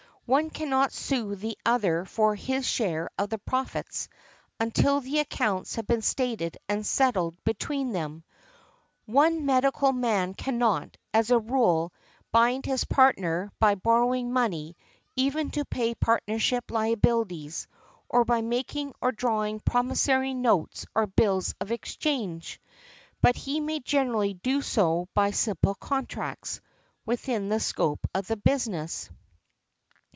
One cannot sue the other for his share of the profits until the accounts have been stated and settled between them. One medical man cannot, as a rule, bind his partner by borrowing money, even to pay partnership liabilities, or by making or drawing promissory notes or bills of exchange; but he may generally do so by simple contracts, within the scope of the business.